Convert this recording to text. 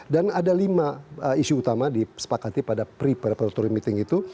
dan ada lima isu utama disepakati pada pre preparatory meeting itu